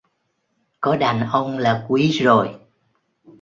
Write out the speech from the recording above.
Có đàn ông là quý rồi